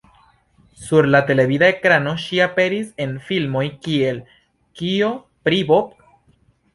Sur la televida ekrano, ŝi aperis en filmoj kiel "Kio pri Bob?